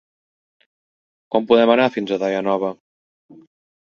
Com podem anar fins a Daia Nova?